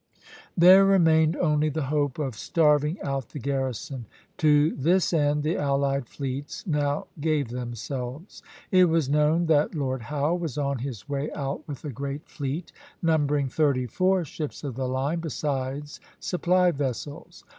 There remained only the hope of starving out the garrison. To this end the allied fleets now gave themselves. It was known that Lord Howe was on his way out with a great fleet, numbering thirty four ships of the line, besides supply vessels.